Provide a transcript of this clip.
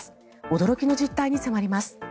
驚きの実態に迫ります。